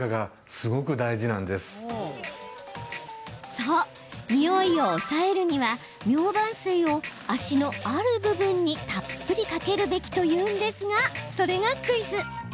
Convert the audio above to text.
そう、においを抑えるにはミョウバン水を足のある部分にたっぷりかけるべきというんですが、それがクイズ。